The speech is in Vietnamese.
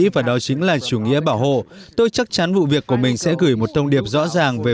và đó chính là chủ nghĩa bảo hộ tôi chắc chắn vụ việc của mình sẽ gửi một thông điệp rõ ràng về